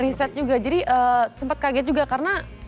riset juga jadi sempat kaget juga karena